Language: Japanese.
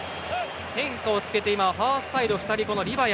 変化をつけてファーサイドに２人。リヴァヤ。